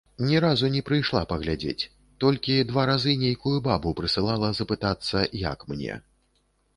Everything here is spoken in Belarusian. Ні разу не прыйшла паглядзець, толькі два разы нейкую бабу прысылала запытацца, як мне.